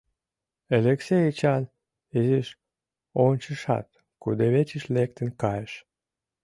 Элексей Эчан изиш ончышат, кудывечыш лектын кайыш.